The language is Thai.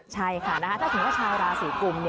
ใช่ค่ะถ้าถึงว่าชาวราศีกรุม